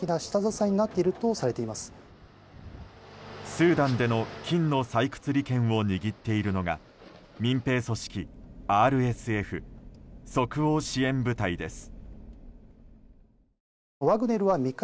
スーダンでの金の採掘利権を握っているのが民兵組織ＲＳＦ・即応支援部隊です。